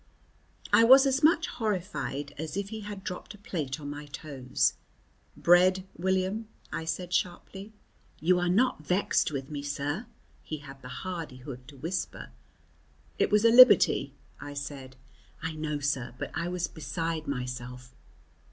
I was as much horrified as if he had dropped a plate on my toes. "Bread, William," I said sharply. "You are not vexed with me, sir?" he had the hardihood to whisper. "It was a liberty," I said. "I know, sir, but I was beside myself."